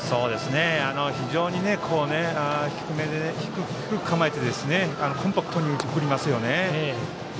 非常に低く構えてコンパクトに振りますよね。